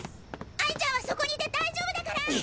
哀ちゃんはそこにいて大丈夫だから。